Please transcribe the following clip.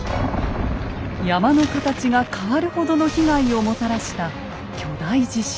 山の形が変わるほどの被害をもたらした巨大地震。